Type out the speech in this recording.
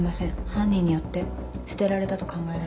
犯人によって捨てられたと考えられます。